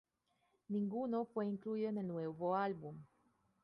Ninguno fue incluido en el nuevo álbum.